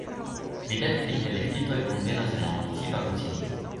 Tridek tri elektitoj kunvenas en la Municipa Konsilio.